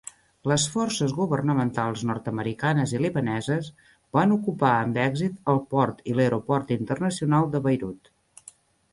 Les forces governamentals nord-americanes i libaneses van ocupar amb èxit el port i l'aeroport internacional de Beirut.